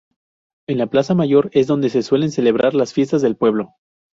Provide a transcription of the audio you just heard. En la Plaza Mayor es donde se suelen celebrar las fiestas del pueblo.